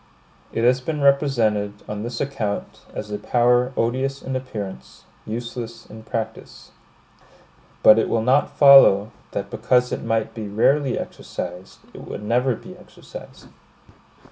It has been represented, on this account, as a power odious in appearance, useless in practice. But it will not follow, that because it might be rarely exercised, it would never be exercised.